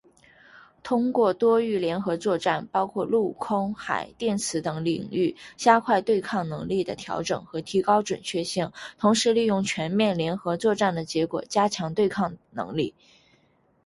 通过多域联合作战，包括陆、空、海、电磁等领域，加快对抗能力的调整和提高准确性，同时利用全面联合作战的结果，加强对抗能力。